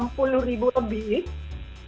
mungkin agak menggentarkan ya